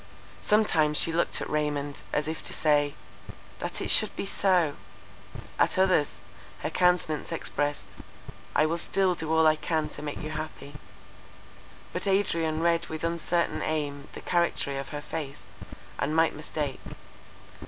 Sometimes she looked at Raymond, as if to say—That it should be so! At others her countenance expressed—I will still do all I can to make you happy. But Adrian read with uncertain aim the charactery of her face, and might mistake.